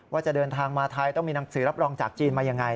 ว่าจะเดินทางมาไทยต้องมีหนังสือรับรองจากจีนมายังไง